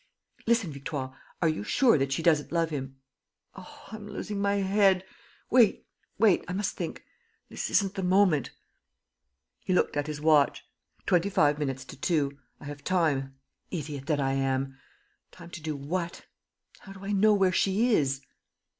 Listen, Victoire, are you sure that she doesn't love him? ... Oh, I'm losing my head! ... Wait ... wait! ... I must think ... this isn't the moment. ..." He looked at his watch: "Twenty five minutes to two. ... I have time. ... Idiot that I am! Time to do what? How do I know where she is?"